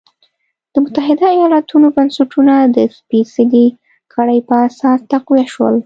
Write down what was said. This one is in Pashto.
د متحده ایالتونو بنسټونه د سپېڅلې کړۍ پر اساس تقویه شول.